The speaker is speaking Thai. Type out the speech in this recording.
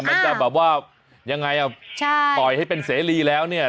มันจะแบบว่ายังไงอ่ะใช่ปล่อยให้เป็นเสรีแล้วเนี่ย